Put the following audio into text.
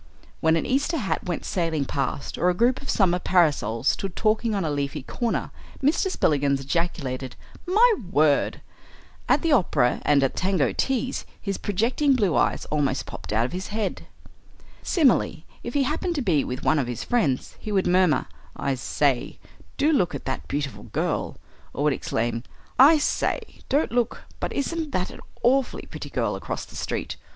When an Easter hat went sailing past, or a group of summer parasols stood talking on a leafy corner, Mr. Spillikins ejaculated, "My word!" At the opera and at tango teas his projecting blue eyes almost popped out of his head. Similarly, if he happened to be with one of his friends, he would murmur, "I say, do look at that beautiful girl," or would exclaim, "I say, don't look, but isn't that an awfully pretty girl across the street?"